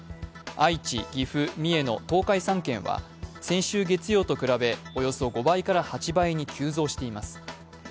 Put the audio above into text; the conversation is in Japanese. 愛知、岐阜、三重の東海３県は先週月曜と比べおよそ５倍から８倍に急増しています。